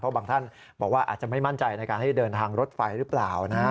เพราะบางท่านบอกว่าอาจจะไม่มั่นใจในการให้เดินทางรถไฟหรือเปล่านะ